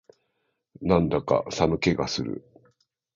なんだか寒気がする